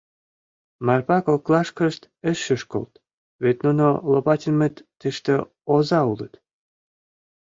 Марпа коклашкышт ыш шӱшкылт, вет нуно, Лопатинмыт, тыште оза улыт.